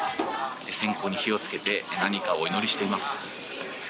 線香に火を付けて何かをお祈りしています。